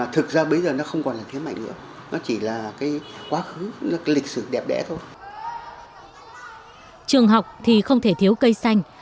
trường học thì không thể thiếu cây xanh